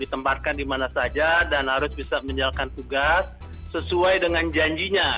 ditempatkan dimana saja dan harus bisa menjalankan tugas sesuai dengan janjinya